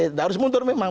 tidak harus mundur memang